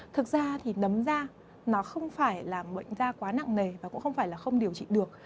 thực ra thì nấm da nó không phải là bệnh da quá nặng nề và cũng không phải là không điều trị được